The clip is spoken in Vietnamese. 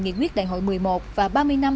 nghị quyết đại hội một mươi một và ba mươi năm